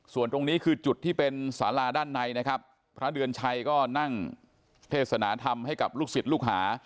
ส่วนตรงนี้คือจุดที่เป็นสาราด้านในนะครับพระเดือนชัยก็นั่งเทศนาธรรมให้กับลูกศิษย์ลูกหา